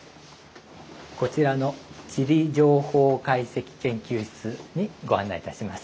こちらの「地理情報解析研究室」にご案内いたします。